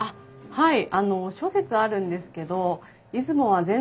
はい。